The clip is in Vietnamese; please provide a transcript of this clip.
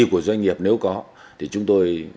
của doanh nghiệp nếu có thì chúng tôi